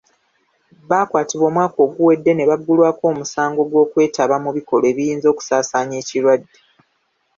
Baakwatibwa omwaka oguwedde ne baggulwako omusango gw'okwetaba mu bikolwa ebiyinza okusaasaanya ekirwadde.